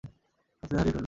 সাথীদের হারিয়ে ফেলবে।